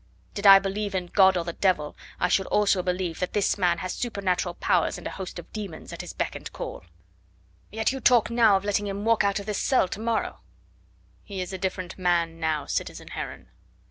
Did I believe in God or the devil, I should also believe that this man has supernatural powers and a host of demons at his beck and call." "Yet you talk now of letting him walk out of this cell to morrow?" "He is a different man now, citizen Heron.